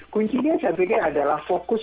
kuncinya saya pikir adalah fokus